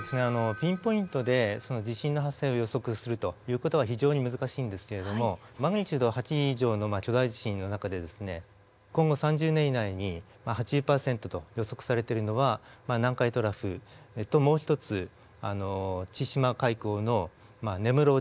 ピンポイントで地震の発生を予測するという事は非常に難しいんですけれどもマグニチュード８以上の巨大地震の中でですね今度３０年以内に８０％と予測されているのは南海トラフともう一つ千島海溝の根室沖